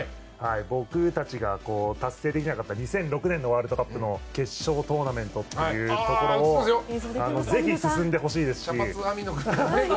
僕たちが達成できなかった２００６年のワールドカップの決勝トーナメントというところをぜひ進んで欲しいですし。